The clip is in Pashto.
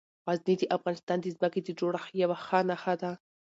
غزني د افغانستان د ځمکې د جوړښت یوه ښه نښه ده.